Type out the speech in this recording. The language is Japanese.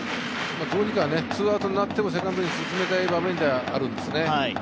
どうにかツーアウトになっても、セカンドに進めたい場面ではありますね。